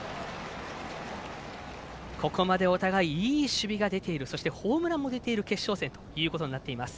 ここまでお互いいい守備が出ているそして、ホームランも出ている決勝戦ということになっています。